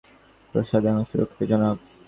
প্রাসাদ এখন সুরক্ষিত, জনাব।